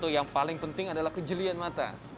yang paling penting adalah kejelian mata